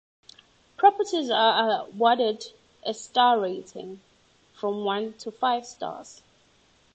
Properties are awarded a star rating, from one to five stars.